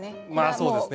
そうですね。